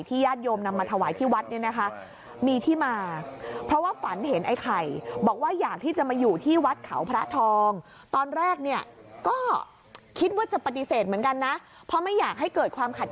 ที่ญาติยมนำมาถวายที่วัดนี่นะคะมีที่มา